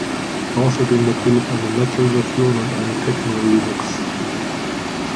Außerdem natürlich eine Metal-Version und einen Techno-Remix.